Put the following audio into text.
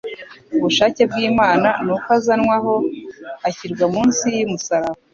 ubushake bw'Imana. Nuko azanwa aho, ashyirwa munsi y'umusaraba